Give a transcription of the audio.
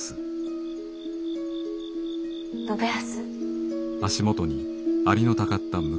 信康？